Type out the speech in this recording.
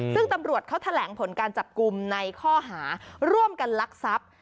ซึ่งตำรวจเขาแถลงผลการจับกลุ่มในข้อหาร่วมกันลักทรัพย์